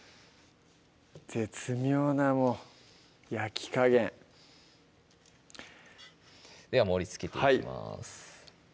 絶妙なもう焼き加減では盛りつけていきます